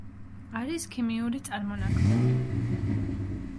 არის ქიმიური წარმონაქმნები.